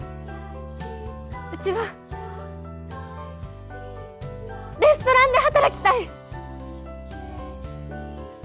うちはレストランで働きたい！